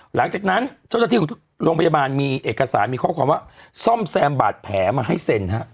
หลังจากนั้นไม่นานเจ้าคำว่าซ่อมแซมบาดแผลมาให้เซ็น